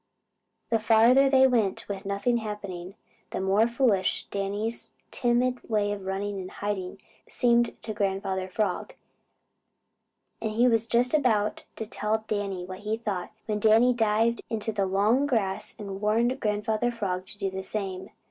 The farther they went with nothing happening, the more foolish Danny's timid way of running and hiding seemed to Grandfather Frog, and he was just about to tell Danny just what he thought, when Danny dived into the long grass and warned Grandfather Frog to do the same.